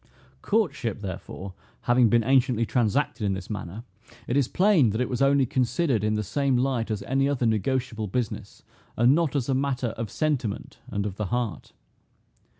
Courtship, therefore, having been anciently transacted in this manner, it is plain, that it was only considered in the same light as any other negotiable business, and not as a matter of sentiment, and of the heart.